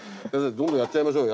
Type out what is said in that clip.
どんどんやっちゃいましょうよ。